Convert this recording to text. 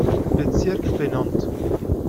Bezirk benannt.